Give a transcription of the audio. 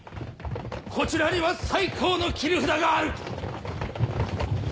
こちらには最高の切り札がある！